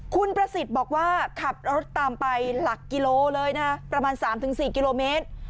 คุณประสิทธิ์บอกว่าขับรถตามไปหลักกิโลเลยนะประมาณ๓๔กิโลเมตร